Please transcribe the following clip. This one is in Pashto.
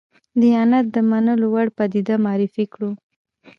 دیانت د منلو وړ پدیده معرفي کړو.